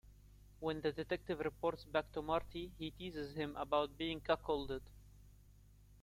When the detective reports back to Marty, he teases him about being cuckolded.